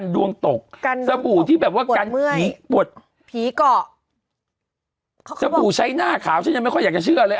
ดวงตกสบู่ที่แบบว่ากันผีปวดผีเกาะสบู่ใช้หน้าขาวฉันยังไม่ค่อยอยากจะเชื่อเลย